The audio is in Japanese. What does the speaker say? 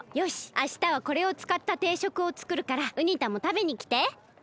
あしたはこれをつかったていしょくをつくるからウニ太もたべにきて。